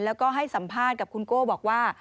แล้วก็ให้สัมภาษณ์กับคุณโก้บอกว่า